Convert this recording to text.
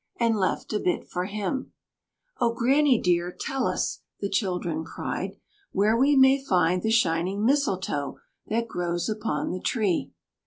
and left a bit for him. "Oh, Granny dear, tell us," the children cried, "where we May find the shining Mistletoe that grows upon the tree?"